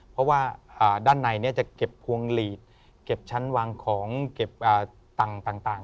เพราะว่าด้านในจะเก็บพวงหลีดเก็บชั้นวางของเก็บตังค์ต่าง